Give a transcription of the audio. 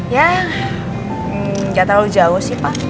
ya nggak terlalu jauh sih pak